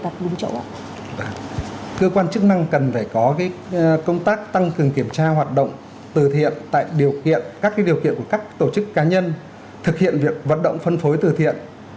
cơ quan chức năng cần phải có công tác tăng cường kiểm tra hoạt động từ thiện tại điều kiện các điều kiện của các tổ chức cá nhân thực hiện việc vận động phân phối từ thiện